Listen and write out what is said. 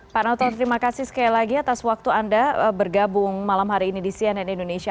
pak noto terima kasih sekali lagi atas waktu anda bergabung malam hari ini di cnn indonesia